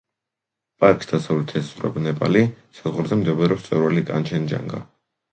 პარკს დასავლეთით ესაზღვრება ნეპალი, საზღვარზე მდებარეობს მწვერვალი კანჩენჯანგა.